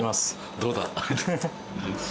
どうだ。